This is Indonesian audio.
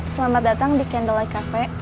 sekarang di candlelight cafe